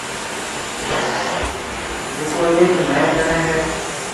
جڪو ايٿ مهيَ ڪنيَ هيَ۔